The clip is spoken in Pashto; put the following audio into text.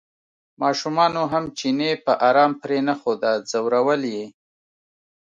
ماشومانو هم چینی په ارام پرېنښوده ځورول یې.